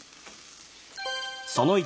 その１。